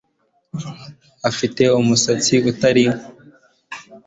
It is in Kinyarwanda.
Afite umusatsi utukura Niyo mpamvu izina rye ari Karoti